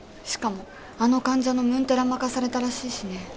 しかもあの患者のムンテラ任されたらしいしね。